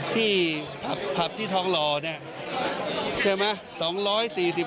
ที่ผับที่ทองหล่อเนี่ยใช่ไหม